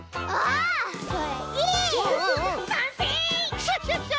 クシャシャシャ！